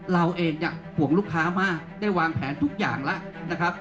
เราเองเนี่ยห่วงลูกค้ามากได้วางแผนทุกอย่างแล้วนะครับ